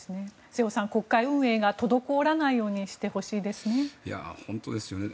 瀬尾さん、国会運営が滞らないようにしてほしいですね。